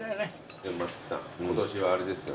松木さん今年はあれですよね。